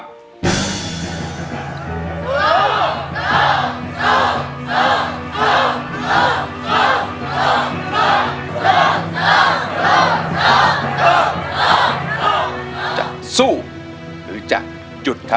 พี่ต้องรู้หรือยังว่าเพลงอะไร